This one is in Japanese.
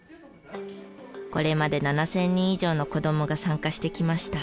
これまで７０００人以上の子供が参加してきました。